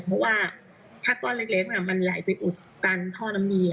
เพราะว่าถ้าก้อนเล็กมันไหลไปอุดตันท่อน้ำเนียง